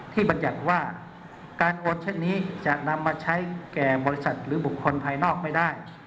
บรรยัติว่าการโอนเช่นนี้จะนำมาใช้แก่บริษัทหรือบุคคลภายนอกไม่ได้